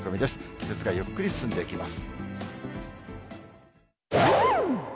季節がゆっくり進んでいきます。